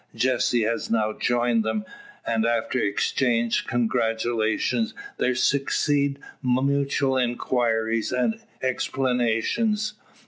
Jessie has now joined them, and after exchanged congratulations, there succeed mutual inquiries and explanations.